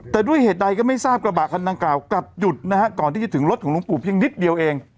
แต่ด้วยเหตุใดก็ไม่ทราบกระบะคันดังกล่าวกลับหยุดนะฮะก่อนที่จะถึงรถของหลวงปู่เพียงนิดเดียวเอง